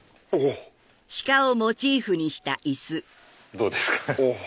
どうですか？